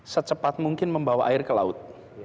secepat mungkin membawa air ke laut